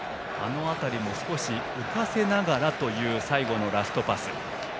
少し浮かせながらという最後のラストパス。